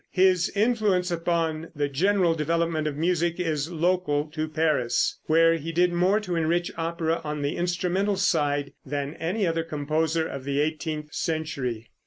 His influence upon the general development of music is local to Paris, where he did more to enrich opera on the instrumental side than any other composer of the eighteenth century.